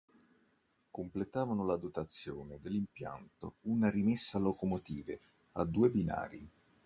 Completavano la dotazione dell'impianto una rimessa locomotive a due binari.